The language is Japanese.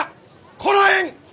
こらえん！